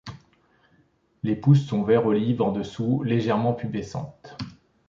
Les pousses sont vert olive en dessous, légèrement pubescentes.